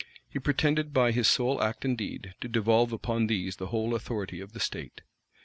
He pretended by his sole act and deed, to devolve upon these the whole authority of the state.